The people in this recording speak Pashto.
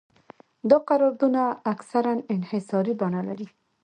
دا قراردادونه اکثراً انحصاري بڼه لري